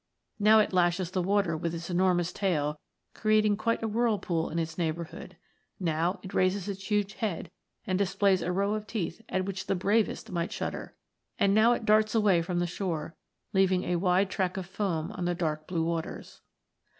Now it lashes the water with its enormous tail, creating quite a whirlpool in its neighbourhood now it raises its huge head, and displays a row of teeth at which the bravest might shudder and now it darts away from the shore, leaving a wide track of foam on the dark blue waters. * The Cetiosaurus, or Whale like Lizard. THE AGE OF MONSTERS.